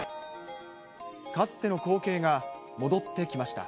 かつての光景が戻ってきました。